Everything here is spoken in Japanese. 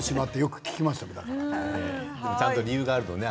ちゃんと理由があるのね。